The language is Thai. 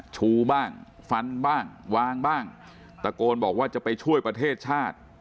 ชูบ้างฟันบ้างวางบ้างตะโกนบอกว่าจะไปช่วยประเทศชาติ